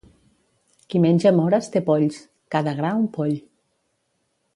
Qui menja mores té polls, cada gra un poll.